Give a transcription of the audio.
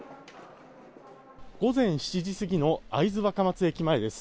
午前７時過ぎの会津若松駅前です。